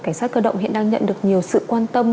cảnh sát cơ động hiện đang nhận được nhiều sự quan tâm